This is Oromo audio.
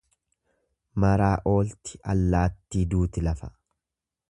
Maraa oolti allaattii duuti lafa.